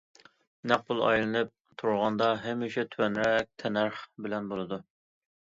نەق پۇل ئايلىنىپ تۇرغاندا ھەمىشە تۆۋەنرەك تەننەرخ بىللە بولىدۇ.